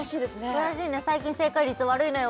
悔しいね最近正解率悪いのよ